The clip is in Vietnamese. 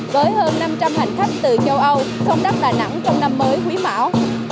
với hơn năm trăm linh hành khách từ châu âu sông đất đà nẵng trong năm mới quý mão